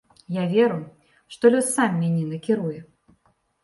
Я веру, што лёс сам мяне накіруе.